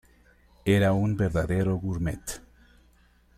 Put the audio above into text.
Era un verdadero gourmet.